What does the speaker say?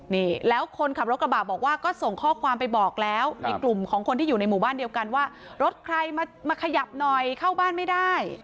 นี่แล้วคนขับรถกระบะบอกว่าก็ส่งข้อความไปบอกแล้วในกลุ่มของคนที่อยู่ในหมู่บ้านเดียวกันว่ารถใครมาขยับหน่อยเข้าบ้านไม่ได้